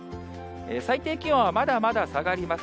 最低気温はまだまだ下がります。